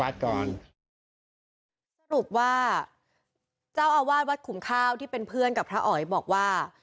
สรุปว่าเจ้าอาวาสวัดขุมข้าวที่เป็นเพื่อนกับพระอ๋อยบอกว่า